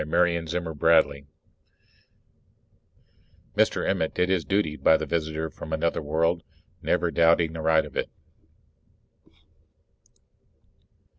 Marion Zimmer Bradley_ Mr. Emmett did his duty by the visitor from another world never doubting the right of it.